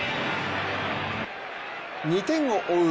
２点を追う